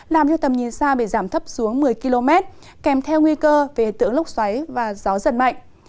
làm cho tầm nhìn xa bị giảm thấp xuống một mươi km kèm theo nguy cơ về tượng lốc xoáy và gió giật mạnh